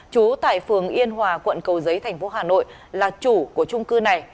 trú tại phường yên hòa quận cầu giấy thành phố hà nội là chủ của trung cư này